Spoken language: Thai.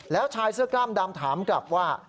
แล้วชายเสื้อกล้ามดำถามกลับว่า